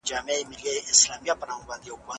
کوچیان هم د حقوقو لرونکي دي.